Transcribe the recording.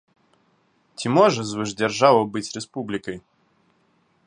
Ці можа звышдзяржава быць рэспублікай?